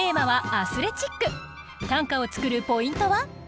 短歌を作るポイントは？